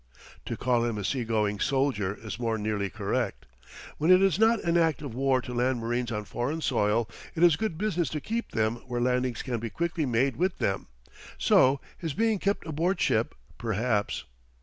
To call him a seagoing soldier is more nearly correct. When it is not an act of war to land marines on foreign soil, it is good business to keep them where landings can be quickly made with them. So his being kept aboard ship, perhaps.